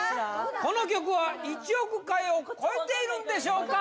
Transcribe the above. この曲は１億回を超えているんでしょうか？